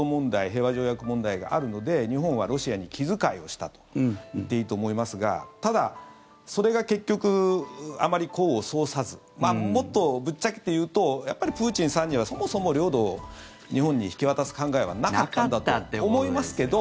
平和条約問題があるので日本はロシアに気遣いをしたと言っていいと思いますがただ、それが結局あまり功を奏さずもっとぶっちゃけて言うとやっぱりプーチンさんにはそもそも領土を日本に引き渡す考えはなかったんだと思いますけど